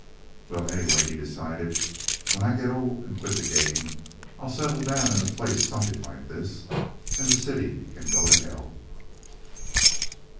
"Well, anyway," he decided, "when I get old and quit the game, I'll settle down in a place something like this, and the city can go to hell."